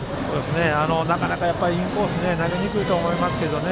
なかなかインコースには投げにくいと思いますけどね。